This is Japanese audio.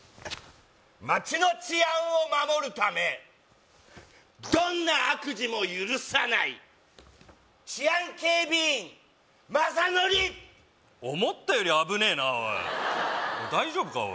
町の治安を守るためどんな悪事も許さない治安警備員雅紀思ったより危ねえなおい大丈夫か？